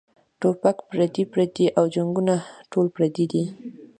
ټوپک پردے پردے او هم جنګــــونه ټول پردي دي